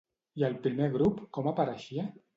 I el primer grup com apareixia?